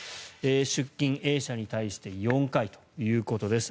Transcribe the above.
出金、Ａ社に対して４回ということです。